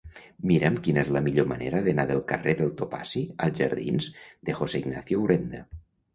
Mira'm quina és la millor manera d'anar del carrer del Topazi als jardins de José Ignacio Urenda.